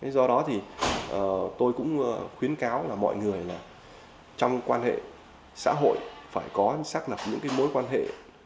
do đó thì tôi cũng khuyến cáo là mọi người là trong quan hệ xã hội phải có xác lập những mối quan hệ